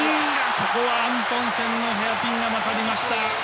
ここはアントンセンのヘアピンが勝りました。